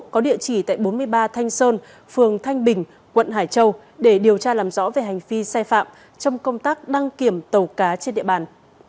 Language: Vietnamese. có địa chỉ tại bốn mươi ba thanh sơn phường thanh bình quận hải châu để điều tra làm rõ về hành vi sai phạm trong công tác đăng kiểm tàu cá trên địa bàn